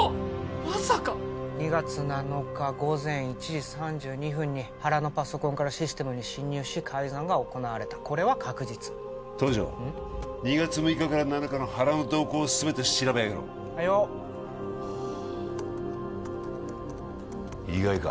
まさか２月７日午前１時３２分に原のパソコンからシステムに侵入し改ざんが行われたこれは確実東条２月６日から７日の原の動向を全て調べ上げろはいよ意外か？